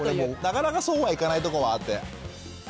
なかなかそうはいかないとこはあって。